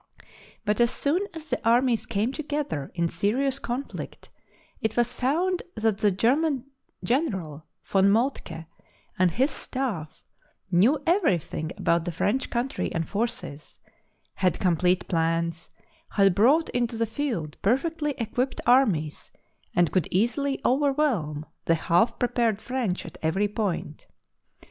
But as soon as the armies came together in serious conflict it was found that the German general, Von Moltke, and his staff THE SIEGE OF PARIS knew everything about the French country and forces, had complete plans, had brought into the field perfectly equipped armies, and could easily overwhelm the half prepared French at every point.